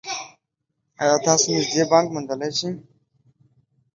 ایا تاسو نږدې بانک موندلی شئ؟